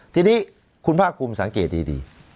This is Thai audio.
ทีนี้คุณพ่าคุมสังเกตดี